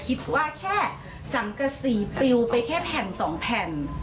คิดว่าแค่๓กับ๔ปลิวไปแค่แผ่น๒แผ่น